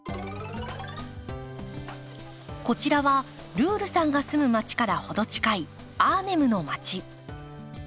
こちらはルールさんが住む街から程近いアーネムの街。